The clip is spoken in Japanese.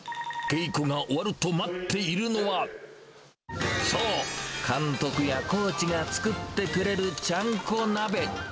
稽古が終わると待っているのは、そう、監督やコーチが作ってくれるちゃんこ鍋。